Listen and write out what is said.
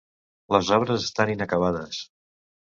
Les obres estan inacabades.